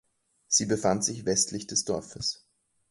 Sie befand sich westlich des Dorfes.